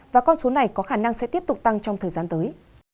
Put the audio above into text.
và con số này có khả năng sẽ tiếp tục tăng trong thời gian tới